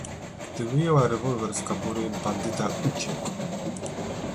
Gdy wyjęła rewolwer z kabury, bandyta uciekł.